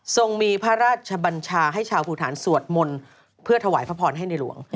ส่งมีพระราชบัญชาให้ชาวภูฐานสวดมนต์เพื่อถวายพระพรให้ในหลวง